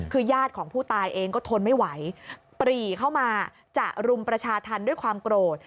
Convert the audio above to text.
คือญาติของผู้ตายเองก็ทนไม่ไหวปรีเข้ามาจะรุมประชาธรรมด้วยความโกรธ